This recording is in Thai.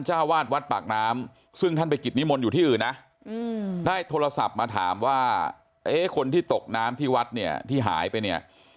ใช้โทรศัพท์มาถามว่าเฮ้คนที่ตกน้ำที่หาวัดเนี่ยที่หายไปเนี่ย